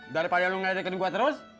daripada lu ngeri deket gua terus